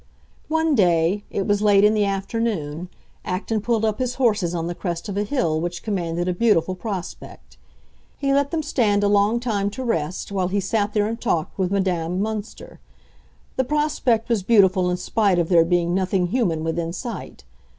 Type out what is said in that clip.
One day—it was late in the afternoon—Acton pulled up his horses on the crest of a hill which commanded a beautiful prospect. He let them stand a long time to rest, while he sat there and talked with Madame Münster. The prospect was beautiful in spite of there being nothing human within sight.